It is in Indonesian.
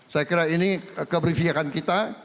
saya kira ini kebervihakan kita